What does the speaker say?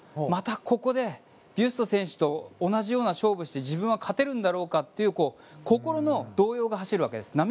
またここでビュスト選手と同じような勝負をして自分は勝てるんだろうかという心の動揺が走るわけです。